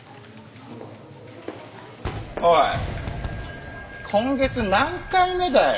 おい今月何回目だよ？